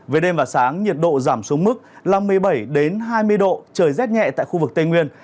về đêm và sáng nhiệt độ giảm xuống mức năm mươi bảy đến hai mươi độ trời rét nhẹ tại khu vực tây nguyên